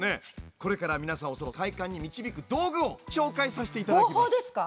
これから皆さんを快感に導く道具をご紹介させて頂きます。